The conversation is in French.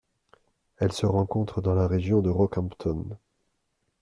Elle se rencontre dans la région de Rockhampton.